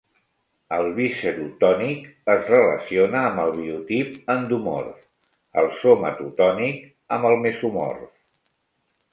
El viscerotònic es relaciona amb el biotip endomorf; el somatotònic, amb el mesomorf.